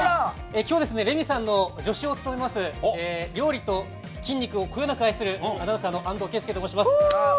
今日、レミさんの助手を務めます料理と筋肉をこよなく愛するアナウンサーの安藤佳祐と申します。